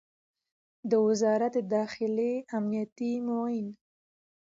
د وزارت داخلې امنیتي معین